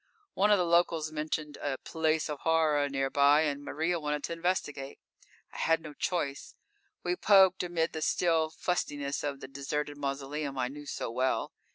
One of the locals mentioned a "place of horror" nearby and Maria wanted to investigate. I had no choice. We poked amid the still fustiness of the deserted mausoleum I knew so well.